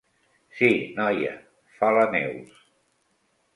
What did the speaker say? Sí, noia —fa la Neus—.